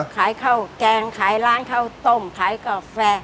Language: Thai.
ขายข้าวแกงขายร้านข้าวต้มขายกาแฟ